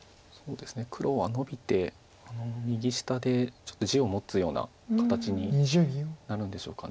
黒はノビて右下でちょっと地を持つような形になるんでしょうか。